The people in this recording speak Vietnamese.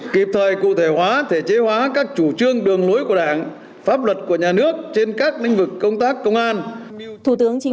kịp thời cụ thể hóa thể chế hóa các chủ trương đường lối của đảng pháp luật của nhà nước trên các lĩnh vực công tác công an